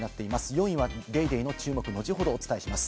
４位は『ＤａｙＤａｙ．』の注目、後ほどお伝えします。